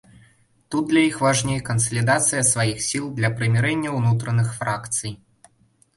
Тут для іх важней кансалідацыя сваіх сіл для прымірэння ўнутраных фракцый.